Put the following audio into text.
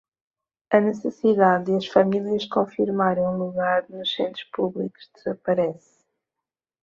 A necessidade de as famílias confirmarem um lugar nos centros públicos desaparece.